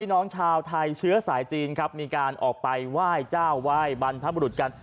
น้องชาวไทยเชื้อสายจีนครับมีการออกไปไหว้เจ้าไหว้บรรพบุรุษกัน